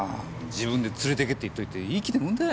自分で連れてけって言っといていい気なもんだ。